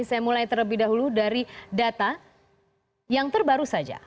saya mulai terlebih dahulu dari data yang terbaru saja